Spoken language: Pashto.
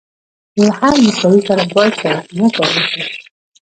له هر مشتري سره باید صادقانه کار وشي.